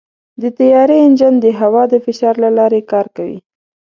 د طیارې انجن د هوا د فشار له لارې کار کوي.